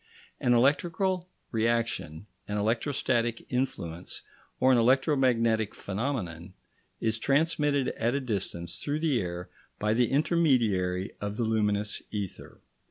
An electric reaction, an electrostatic influence, or an electromagnetic phenomenon, is transmitted at a distance through the air by the intermediary of the luminous ether.